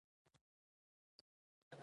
هېڅکله هم په نورو ځان مه پرتله کوه